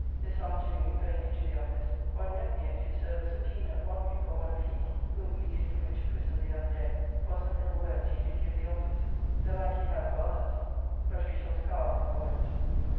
This afternoon, going into the office, one met me and did serve a subpoena upon me for one Field, whom we did commit to prison the other day for some ill words he did give the office. The like he had for others, but we shall scour him for it.